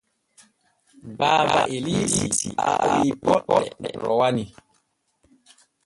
Baaba Eliisi aawi poƴƴe rowani.